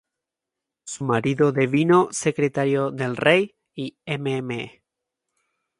Su marido devino secretario del rey, y Mme.